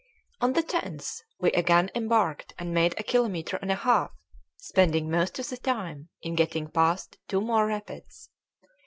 On the 10th we again embarked and made a kilometre and a half, spending most of the time in getting past two more rapids.